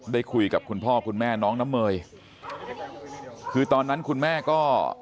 ได้คุยกับคุณพ่อคุณแม่น้องน้ำเมยคือตอนนั้นคุณแม่ก็